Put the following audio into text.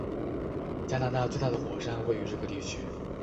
加拿大最大的火山位于这个地区。